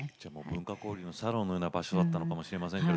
文化交流のサロンのような場所だったのかもしれませんね。